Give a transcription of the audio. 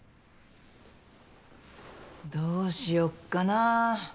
どうしよっかな。